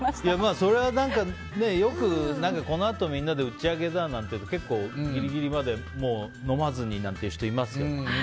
それはよく、このあとみんなで打ち上げだとかで結構、ギリギリまで飲まずになんていう人いますよね。